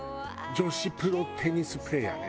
女子プロテニスプレーヤーね。